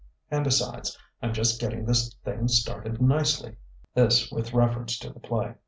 "And besides, I'm just getting this thing started nicely!" This with reference to the play.